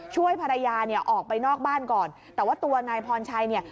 ช่วยภรรยาเนี่ยออกไปนอกบ้านก่อนแต่ว่าตัวนายพรชัยเนี่ย